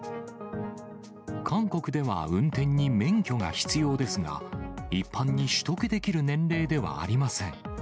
韓国では運転に免許が必要ですが、一般に取得できる年齢ではありません。